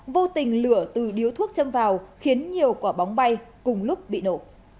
vô tình lửa từ điếu thuốc châm vào khiến nhiều quả bóng bay cùng lúc bị nổ